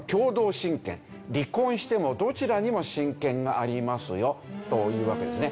離婚してもどちらにも親権がありますよというわけですね。